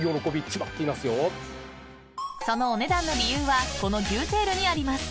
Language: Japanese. ［そのお値段の理由はこの牛テールにあります］